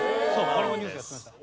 これもニュースでやってました。